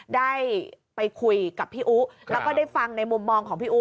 ได้ไปคุยกับพี่อุ๊แล้วก็ได้ฟังในมุมมองของพี่อู๋